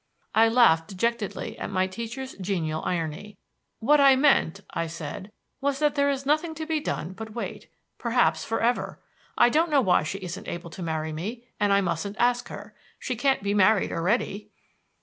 I laughed dejectedly at my teacher's genial irony. "What I meant," said I, "was that there is nothing to be done but wait perhaps for ever. I don't know why she isn't able to marry me, and I mustn't ask her. She can't be married already."